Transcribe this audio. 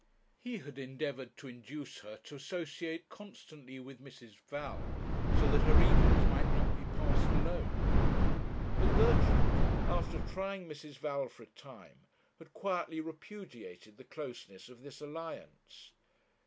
He had endeavoured to induce her to associate constantly with Mrs. Val, so that her evenings might not be passed alone; but Gertrude, after trying Mrs. Val for a time, had quietly repudiated the closeness of this alliance.